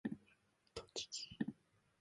栃木